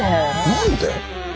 何で？